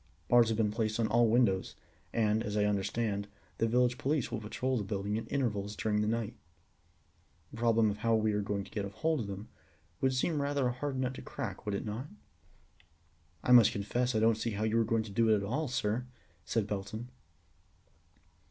Bars have been placed on all windows, and, as I understand, the village police will patrol the building at intervals during the night. The problem of how we are to get hold of them would seem rather a hard nut to crack, would it not?" "I must confess I don't see how you are going to do it at all, sir," said Belton.